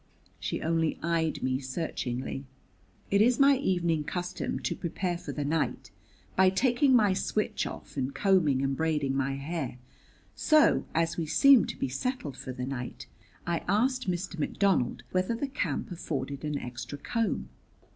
She only eyed me searchingly. It is my evening custom to prepare for the night by taking my switch off and combing and braiding my hair; so, as we seemed to be settled for the night, I asked Mr. McDonald whether the camp afforded an extra comb.